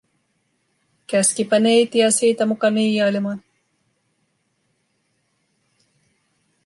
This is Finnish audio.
Käskipä neitiä siitä muka niiailemaan.